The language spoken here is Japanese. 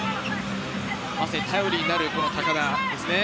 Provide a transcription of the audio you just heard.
頼りになる高田ですね。